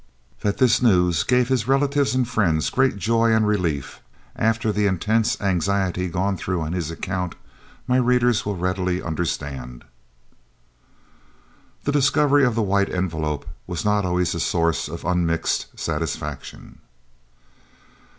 That this news gave his relatives and friends great joy and relief after the intense anxiety gone through on his account, my readers will readily understand. The discovery of the White Envelope was not always a source of unmixed satisfaction.